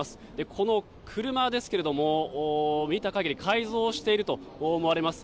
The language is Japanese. この車ですけども見た限り改造をしていると思われます。